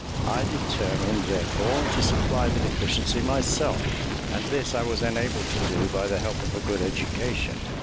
I determined, therefore, to supply the deficiency myself, and this I was enabled to do by the help of a good education.